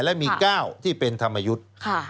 และมี๙ที่เป็นธรรมยุทธ์